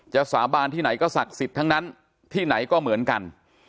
สาบานที่ไหนก็ศักดิ์สิทธิ์ทั้งนั้นที่ไหนก็เหมือนกัน